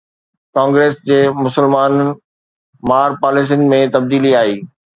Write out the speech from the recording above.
Congress جي مسلمان مار پاليسين ۾ تبديلي آئي